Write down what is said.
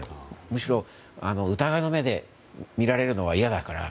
むしろ疑いの目で見られるのは嫌だから。